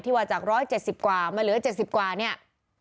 ว่าจาก๑๗๐กว่ามาเหลือ๗๐กว่าเนี่ย